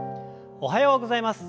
おはようございます！